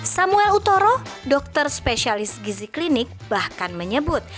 samuel utoro dokter spesialis gizi klinik bahkan menyebut